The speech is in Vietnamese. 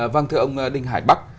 vâng thưa ông đình hải bắc